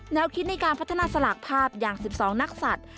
แนวคิดในการพัฒนาสลากภาพอย่าง๑๒นักศัตริย์